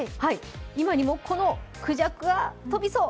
今にもこのくじゃくは飛びそう。